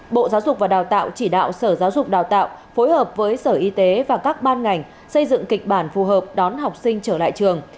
bộ giáo dục và đào tạo chỉ đạo sở giáo dục đào tạo phối hợp với sở y tế và các ban ngành xây dựng kịch bản phù hợp đón học sinh trở lại trường